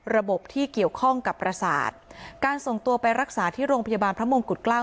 ระบบที่เกี่ยวข้องกับประสาทการส่งตัวไปรักษาที่โรงพยาบาลพระมงกุฎเกล้า